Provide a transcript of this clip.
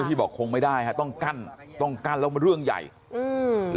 ที่บอกคงไม่ได้ฮะต้องกั้นต้องกั้นแล้วมันเรื่องใหญ่อืม